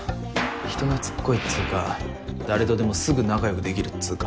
人懐っこいっつうか誰とでもすぐ仲良くできるっつうか。